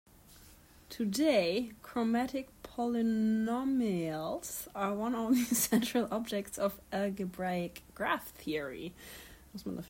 Today, chromatic polynomials are one of the central objects of algebraic graph theory.